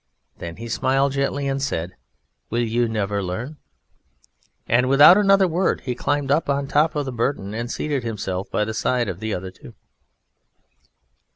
Then he smiled gently, and said, "Will you never learn?" And without another word he climbed up on the top of the burden and seated himself by the side of the other two.